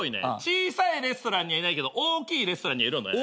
小さいレストランにはいないけど大きいレストランにはいる。